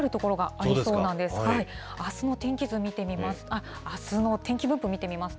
あすの天気図見てみます。